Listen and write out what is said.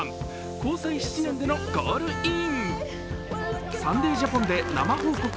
交際７年でのゴールイン。